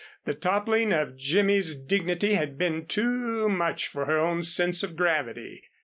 The toppling of Jimmy's dignity had been too much for her own sense of gravity.